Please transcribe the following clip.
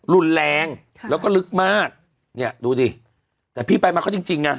รุนแรงค่ะแล้วก็ลึกมากเนี่ยดูดิแต่พี่ไปมาเขาจริงจริงอ่ะ